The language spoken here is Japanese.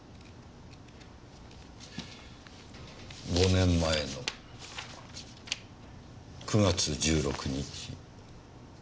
５年前の９月１６日。